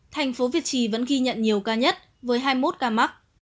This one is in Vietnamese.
tp việt trì vẫn ghi nhận nhiều ca nhất với hai mươi một ca mắc